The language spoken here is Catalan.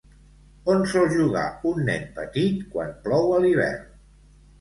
On sol jugar un nen petit quan plou a l'hivern?